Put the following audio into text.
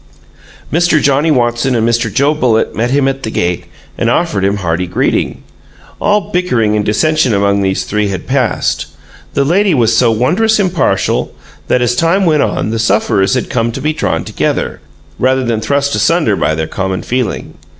Mr. Johnnie Watson and Mr. Joe Bullitt met him at the gate and offered him hearty greeting. All bickering and dissension among these three had passed. The lady was so wondrous impartial that, as time went on, the sufferers had come to be drawn together, rather than thrust asunder, by their common feeling.